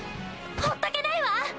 ほっとけないわ！